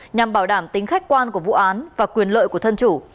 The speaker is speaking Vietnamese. nhằm bảo đảm tính khách quan của vụ án và quyền lợi của thân chủ